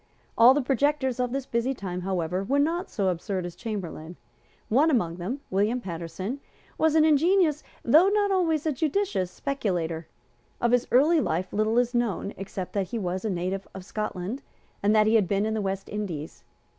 All the projectors of this busy time, however, were not so absurd as Chamberlayne. One among them, William Paterson, was an ingenious, though not always a judicious, speculator. Of his early life little is known except that he was a native of Scotland, and that he had been in the West Indies.